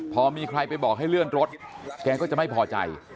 พอมีใครไปบอกให้เลื่อนรถแกก็จะไม่พอใจ